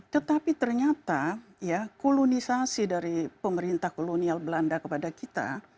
tetapi ternyata ya kolonisasi dari pemerintah kolonial belanda kepada kita